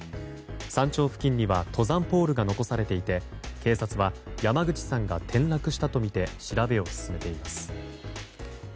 山頂付近には登山ポールが残されていて警察は山口さんが転落したとみて調べを進めています。